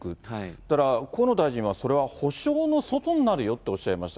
そしたら河野大臣は、それは保証の外になるよとおっしゃいました。